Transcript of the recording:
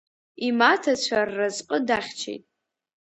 Имаҭацәа рразҟы дахьчеит.